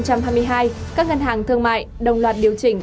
các ngân hàng thương mại đồng loạt điều chỉnh